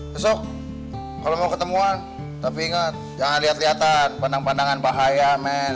besok kalau mau ketemuan tapi ingat jangan lihat lihatan pandang pandangan bahaya men